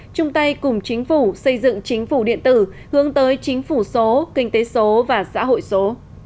chung tay cùng chính phủ xây dựng chính phủ điện tử hướng tới chính phủ số kinh tế số và xã hội số